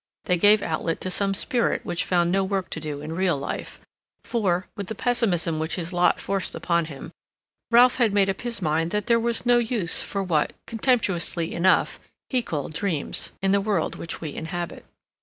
They gave outlet to some spirit which found no work to do in real life, for, with the pessimism which his lot forced upon him, Ralph had made up his mind that there was no use for what, contemptuously enough, he called dreams, in the world which we inhabit.